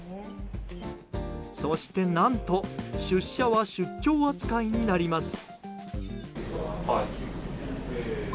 そして何と出社は出張扱いになります。